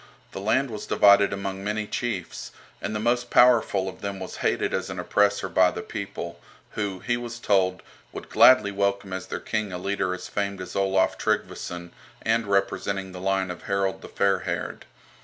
The land was divided among many chiefs, and the most powerful of them was hated as an oppressor by the people, who, he was told, would gladly welcome as their king a leader as famed as Olaf Tryggveson, and representing the line of Harold the Fair haired.